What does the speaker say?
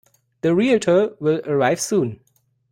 The Realtor will arrive soon.